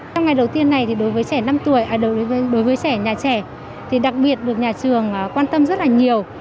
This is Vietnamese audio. trong ngày đầu tiên này thì đối với trẻ nhà trẻ thì đặc biệt được nhà trường quan tâm rất là nhiều